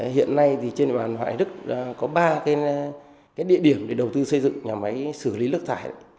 hiện nay thì trên bàn hoài đức có ba địa điểm để đầu tư xây dựng nhà máy xử lý nước thải